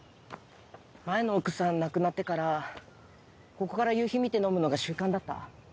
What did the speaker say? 前の奥さん亡くなってからここから夕日見て飲むのが習慣だった。